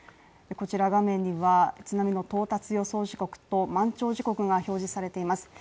こちら画面には、津波の到達予想時刻と満潮時刻が表示されています